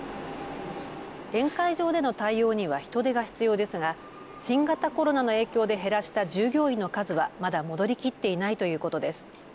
宴会場での対応には人手が必要ですが新型コロナの影響で減らした従業員の数はまだ戻りきっていないということです。